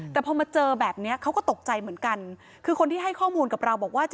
แต่พอมาเจอแบบนี้เขาก็ตกใจเหมือนกันคือคนที่ให้ข้อมูลกับเราบอกว่า